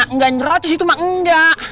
nggak ngerotis itu mah enggak